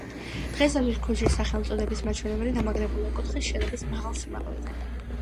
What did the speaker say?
დღეისათვის ქუჩის სახელწოდების მაჩვენებელი დამაგრებულია კუთხის შენობის მაღალ სიმაღლეზე.